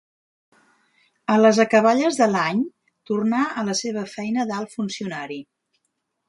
A les acaballes de l'any tornà a la seva feina d'alt funcionari.